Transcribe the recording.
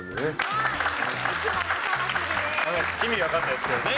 意味分からないですけどね。